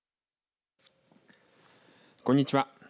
こんにちは。